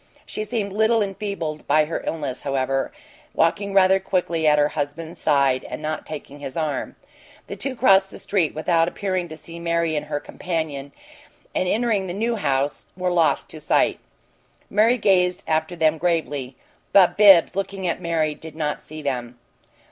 She seemed little enfeebled by her illness, however, walking rather quickly at her husband's side and not taking his arm. The two crossed the street without appearing to see Mary and her companion, and entering the New House, were lost to sight. Mary gazed after them gravely, but Bibbs, looking at Mary, did not see them.